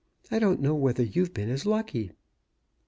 I don't know whether you've been as lucky."